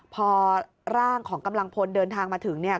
พอร่างของกำลังพลเดินทางมาถึงเนี่ย